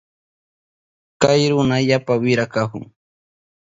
Kay runa yapa wira kahun.